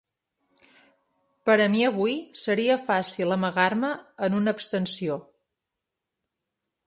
Per a mi avui seria fàcil amagar-me en una abstenció.